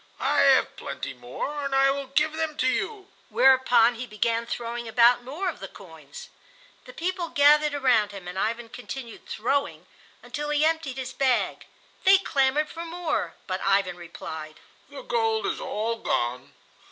I have plenty more, and I will give them to you;" whereupon he began throwing about more of the coins. The people gathered around him, and Ivan continued throwing until he emptied his bag. They clamored for more, but Ivan replied: "The gold is all gone.